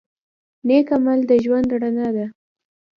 نیک عمل د ژوند رڼا ده.